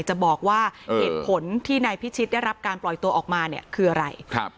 จะบอกว่าเหตุผลที่นายพิชิตได้รับการปล่อยตัวออกมาเนี่ยคืออะไรครับ